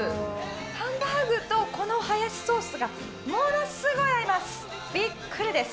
ハンバーグとこのハヤシソースがものすごい合います。